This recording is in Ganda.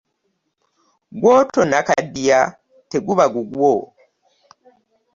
Gwotonnakaddiya teguba gugwo.